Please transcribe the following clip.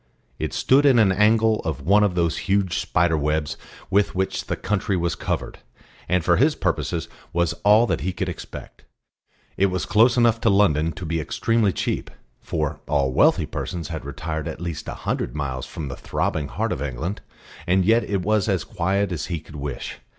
It stood in an angle of one of those huge spider webs with which the country was covered, and for his purposes was all that he could expect. It was close enough to London to be extremely cheap, for all wealthy persons had retired at least a hundred miles from the throbbing heart of England; and yet it was as quiet as he could wish.